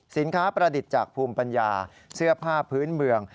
ประดิษฐ์จากภูมิปัญญาเสื้อผ้าพื้นเมือง